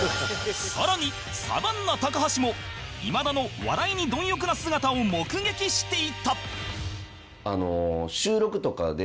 さらにサバンナ高橋も今田の笑いに貪欲な姿を目撃していた